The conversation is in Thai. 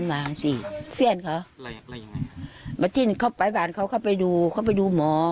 เวทิ่นเค้าไปบ้านเค้าเค้าไปดูเค้าไปดูหมอ